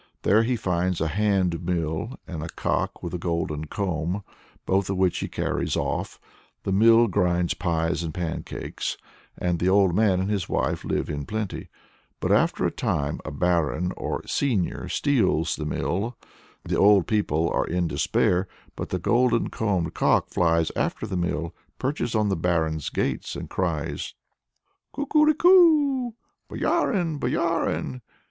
There he finds a hand mill and a cock with a golden comb, both of which he carries off. The mill grinds pies and pancakes, and the old man and his wife live in plenty. But after a time a Barin or Seigneur steals the mill. The old people are in despair, but the golden combed cock flies after the mill, perches on the Barin's gates, and cries "Kukureku! Boyarin, Boyarin!